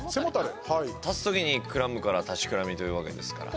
立つときにくらむから立ちくらみというわけですから。